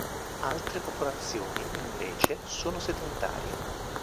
Altre popolazioni, invece, sono sedentarie.